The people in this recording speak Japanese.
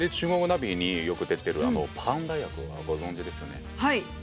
ナビ」によく出てるあのパンダ役はご存じですよね？